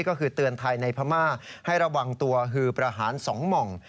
ก็คือเตือนไทยในพม่าให้ระวังตัวฮือประหาร๒หม่อง